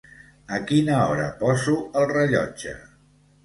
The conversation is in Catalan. A quina hora poso el rellotge